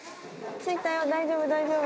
着いたよ、大丈夫、大丈夫。